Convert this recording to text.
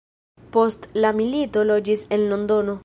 Post la milito loĝis en Londono.